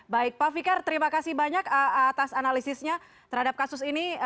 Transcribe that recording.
baik pak fikar terima kasih banyak atas analisisnya terhadap kasus ini